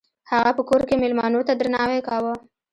هغه په کور کې میلمنو ته درناوی کاوه.